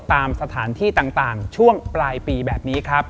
ตามสถานที่ต่างช่วงปลายปีแบบนี้ครับ